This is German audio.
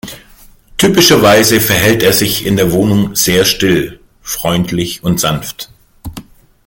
Typischerweise verhält er sich in der Wohnung sehr still, freundlich und sanft.